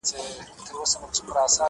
لکه تن باندې احرام دې ګرزؤمه